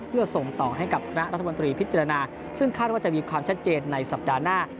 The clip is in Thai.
เพื่อส่งต่อให้กับคณะรัฐมนตรีพิจารณาซึ่งคาดว่าจะมีความชัดเจนในสัปดาห์หน้า